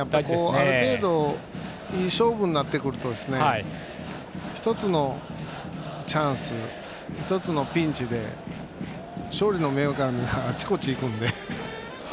ある程度いい勝負になってくると１つのチャンス、１つのピンチで勝利の女神があちこちに行くので。